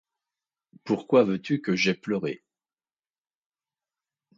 Pourquoi veux-tu que j'aie pleuré?